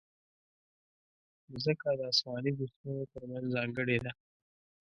مځکه د اسماني جسمونو ترمنځ ځانګړې ده.